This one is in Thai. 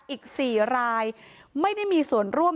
อีก๔รายไม่ได้มีส่วนร่วม